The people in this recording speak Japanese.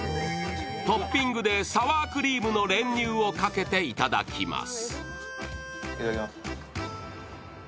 トッピングでサワークリームの練乳をかけていただきます。